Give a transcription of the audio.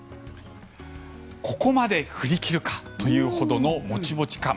ここまで振り切るか！というほどのモチモチ感。